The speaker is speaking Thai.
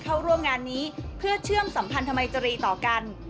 เข้าร่วมงานนี้เพื่อเชื่อมสัมพันธมัยตรีต่อกัน